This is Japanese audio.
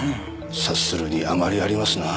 察するに余りありますなあ。